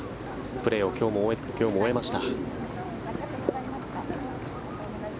プレーを今日も終えました。